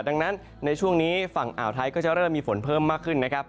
ดังนั้นในช่วงนี้ฝั่งอ่าวไทยก็จะเริ่มมีฝนเพิ่มมากขึ้นนะครับ